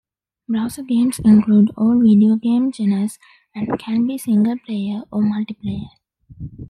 Browser games include all video game genres and can be single-player or multiplayer.